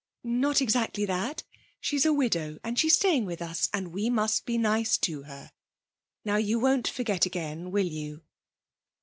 'Not exactly that. She's a widow, and she's staying with us, and we must be nice to her. Now, you won't forget again, will you?'